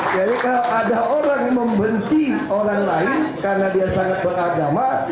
jadi kalau ada orang yang membenci orang lain karena dia sangat beragama